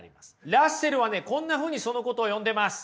ラッセルはねこんなふうにそのことを呼んでます。